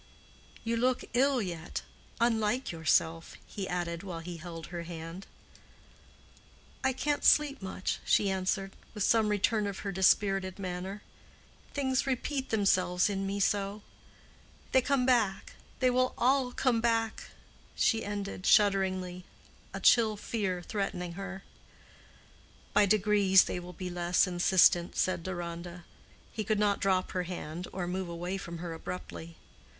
"You look ill yet—unlike yourself," he added, while he held her hand. "I can't sleep much," she answered, with some return of her dispirited manner. "Things repeat themselves in me so. They come back—they will all come back," she ended, shudderingly, a chill fear threatening her. "By degrees they will be less insistent," said Deronda. He could not drop her hand or move away from her abruptly.